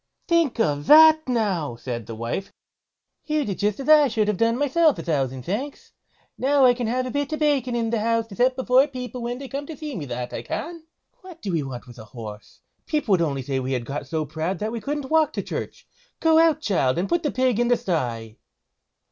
"Think of that, now!" said the wife; "you did just as I should have done myself; a thousand thanks! Now I can have a bit of bacon in the house to set before people when they come to see me, that I can. What do we want with a horse? People would only say we had got so proud that we couldn't walk to church. Go out, child, and put up the pig in the sty."